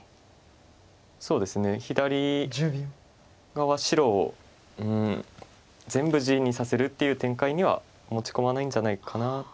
そうですね左側白を全部地にさせるっていう展開には持ち込まないんじゃないかなと。